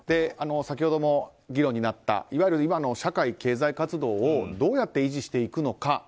先ほども議論になった今の経済活動をどうやって維持していくのか。